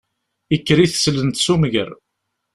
Ikker i teslent s umger.